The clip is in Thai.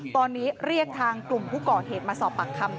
ตอนนี้เรียกทางกลุ่มผู้ก่อเหตุมาสอบปากคำ